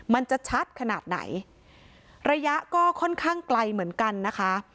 มันจะชัดขนาดไหนระยะก็ค่อนข้างไกลเหมือนกันนะคะ